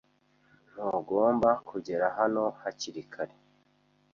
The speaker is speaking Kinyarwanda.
Ntugomba kugera hano hakiri kare.